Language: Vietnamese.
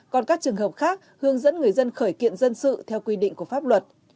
còn các trường hợp khác hướng dẫn người dân khởi kiện dân sự theo quy định của pháp luật